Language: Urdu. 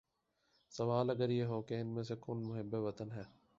سوال اگر یہ ہو کہ ان میں سے کون محب وطن ہے